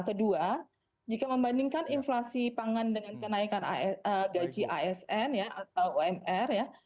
kedua jika membandingkan inflasi pangan dengan kenaikan gaji asn atau umr ya